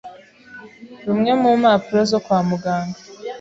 Rumwe mu mpapuro zo kwa muganga